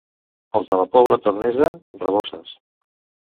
Els de la Pobla Tornesa, raboses.